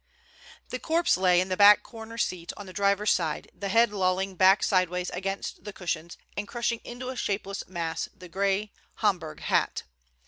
The corpse lay in the back corner seat on the driver's side, the head lolling back sideways against the cushions and crushing into a shapeless mass the gray Homburg hat.